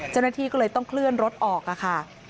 เจ้าหน้าที่ก็เลยต้องเคลื่อนรถออกค่ะ